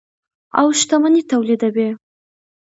او شتمني تولیدوي.